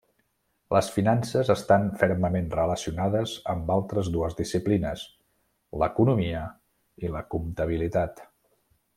Les finances estan fermament relacionades amb altres dues disciplines: l'Economia i la Comptabilitat.